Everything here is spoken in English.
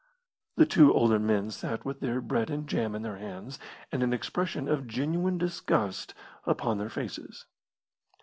The two older men sat with their bread and jam in their hands, and an expression of genuine disgust upon their faces.